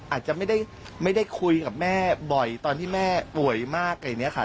อาจจะไม่ได้คุยกับแม่บ่อยตอนที่แม่ป่วยมากอะไรอย่างนี้ค่ะ